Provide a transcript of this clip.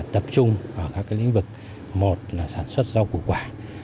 tập trung vào các lĩnh vực một là sản xuất rau củ quả